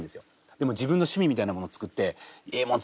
でも自分の趣味みたいなもの作ってええもん